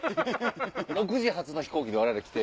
６時発の飛行機で来て。